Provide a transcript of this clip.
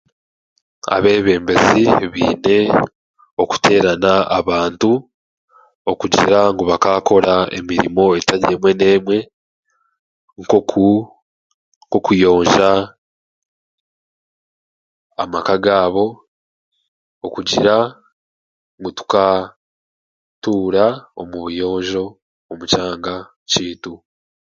nkabeebembezi biine kuteerana abantu okugira ngu bakaakora emirimo etari emwe n'emwe nk'okuyonja amaka gaabo okugira ngu tukaatuura omu buyonjo omu kyanga kyaitu